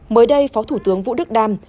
mới đây phó thủ tướng vũ đức đam